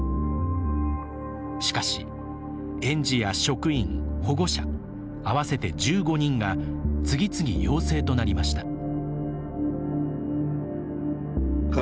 しかし、園児や職員、保護者合わせて１５人が次々、陽性となりました。